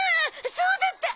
そうだった！